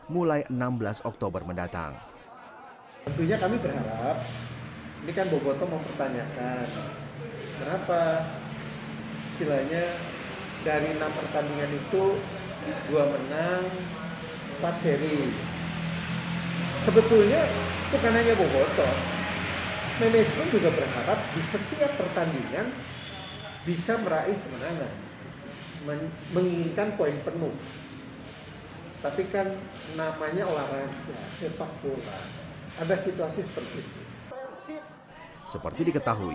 mulai enam belas oktober mendatang